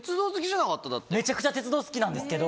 めちゃくちゃ鉄道好きなんですけど。